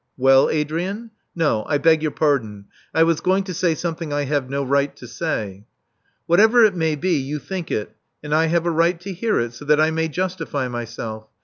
Well, Adrian?" '*No. I beg your pardon: I was going to say some thing I have no right to say." 'Whatever it may be, you think it: and I have a right to hear it, so that I may justify myself.